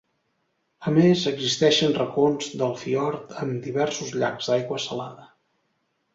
A més, existeixen racons del fiord amb diversos llacs d'aigua salada.